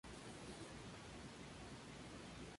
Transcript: Ella era muy cercana de su hermana Isabel.